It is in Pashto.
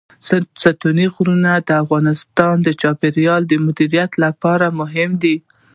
ستوني غرونه د افغانستان د چاپیریال د مدیریت لپاره مهم دي.